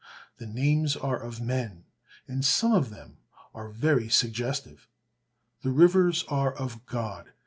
The names are of men, and some of them are very suggestive. The rivers are of God.